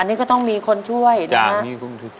อันนี้ก็ต้องมีคนช่วยนะฮะ